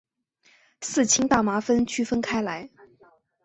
四氢大麻酚区分开来。